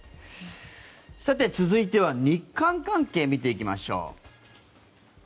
続いては日韓関係を見ていきましょう。